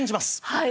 はい。